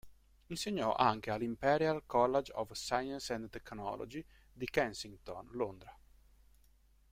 Insegnò anche all"'Imperial College of Science and Technology" di Kensington, Londra.